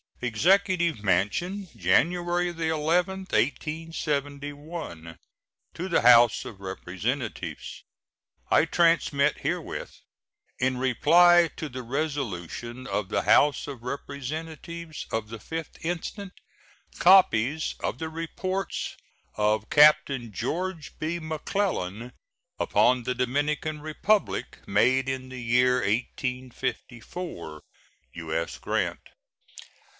EXECUTIVE MANSION, January 11, 1871. To the House of Representatives: I transmit herewith, in reply to the resolution of the House of Representatives of the 5th instant, copies of the reports of Captain George B. McClellan upon the Dominican Republic, made in the year 1854. U.S. GRANT.